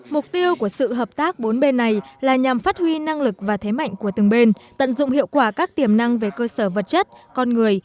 mục tiêu của sự hợp tác bốn bên này là nhằm phát huy năng lực và thế mạnh của từng bên tận dụng hiệu quả các tiềm năng về cơ sở vật chất con người